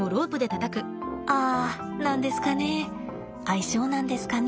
あ何ですかね。